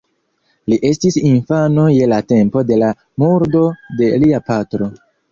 Li estis infano je la tempo de la murdo de lia patro.